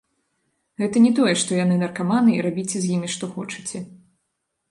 Гэта не тое, што яны наркаманы, і рабіце з імі, што хочаце.